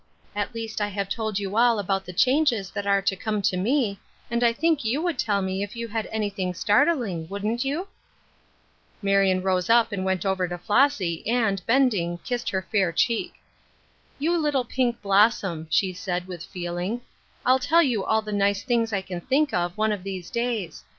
At least I have told you all about the changes that are to come to me, and I think you would tell me if you had anything startling, wouldn't you ?" Marion rose up and went over to Flossy, and, bending, kissed her fair cheek. " You little pink blossom," she said, with feel ing, " I'll tell you all the nice things I c^n think of, one of these days.